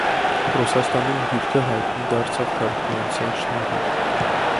Ռուսաստանում գիրքը հայտնի դարձավ թարգմանության շնորհիվ։